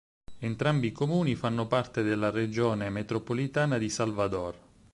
Entrambi i comuni fanno parte della Regione Metropolitana di Salvador.